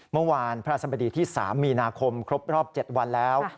เมื่อวานพระสมดีที่๓มีนาคมครบรอบ๗วันแล้ว